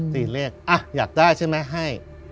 ตีเลขอยากได้ใช่ไหมให้